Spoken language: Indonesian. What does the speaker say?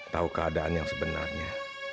tahu keadaan yang sebenarnya